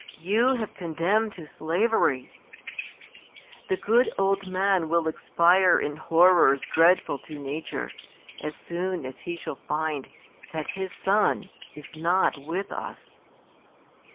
you have condemned to slavery ? I'he good ok man will expire in horrors dreadful to nature, as soor as he shall find that his son is not with us.